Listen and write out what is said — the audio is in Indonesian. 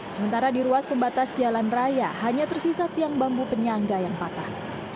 sementara di ruas pembatas jalan raya hanya tersisa tiang bambu penyangga yang patah